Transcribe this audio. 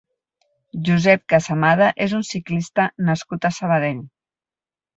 Josep Casamada és un ciclista nascut a Sabadell.